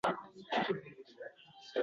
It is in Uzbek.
Yitsin degandayin bu yurtdan o‘lim